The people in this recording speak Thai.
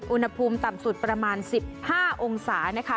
อุณหภูมิต่ำสุดประมาณ๑๕องศานะคะ